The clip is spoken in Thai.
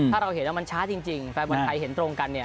ถ้าเราเห็นว่ามันช้าจริงแฟนบอลไทยเห็นตรงกันเนี่ย